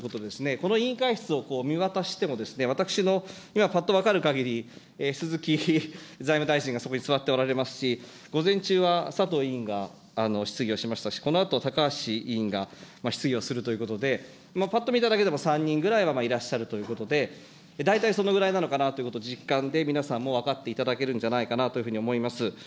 この委員会室を見渡しても、私の今ぱっと分かるかぎり、鈴木財務大臣がそこに座っておられますし、午前中は佐藤委員が質疑をしましたし、このあと、高橋委員が質疑をするということで、ぱっと見ただけでも３人ぐらいはいらっしゃるということで、大体そのぐらいなのかなっていうことを実感で、皆さんも分かっていただけるんじゃないかなというふうに思います。